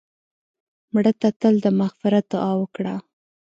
مړه ته تل د مغفرت دعا وکړه